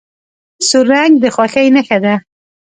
سور رنګ د خوښۍ نښه ده.